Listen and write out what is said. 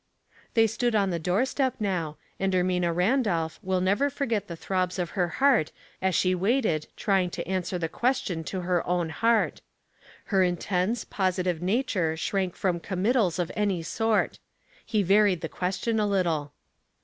They stood on the doorstep now, and Ermina Randolph will never forget the throbs of her heart as she wailed trying to answer the ques tion to her own heart. Her intense, positive nature shrank from committals of any sort. He varied the question a little.